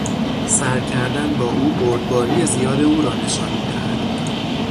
سر کردن با او، بردباری زیاد او را نشان میدهد.